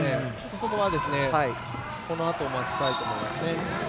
そこは、このあとを待ちたいと思います。